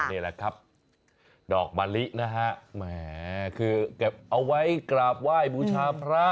นี่แหละครับดอกมะลินะฮะแหมคือเก็บเอาไว้กราบไหว้บูชาพระ